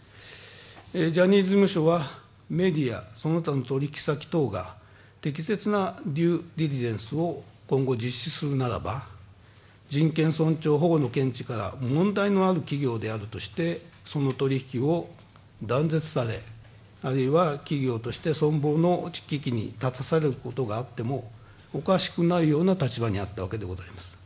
ジャニーズ事務所はメディア、その他の取引先当が適切なデューデリジェンスを今後実施するならば人権尊重保護の見地から問題のある企業としてその取引を断絶され、あるいは企業として存亡の危機に立たされることがあってもおかしくないような立場にあったわけでございます。